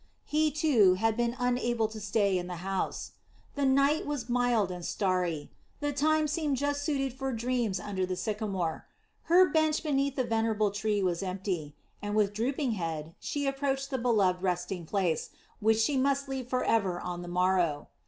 He, too, had been unable to stay in the house. The night was mild and starry, the time seemed just suited for dreams under the sycamore. Her bench beneath the venerable tree was empty, and with drooping head she approached the beloved resting place, which she must leave forever on the morrow.